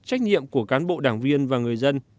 trách nhiệm của cán bộ đảng viên và người dân